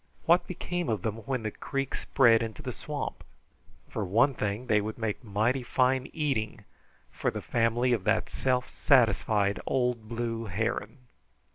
What became of them when the creek spread into the swamp? For one thing, they would make mighty fine eating for the family of that self satisfied old blue heron.